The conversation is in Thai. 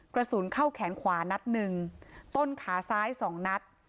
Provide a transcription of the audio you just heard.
กระสุนเข้าแขนขวานัดหนึ่งต้นขาซ้าย๒นัด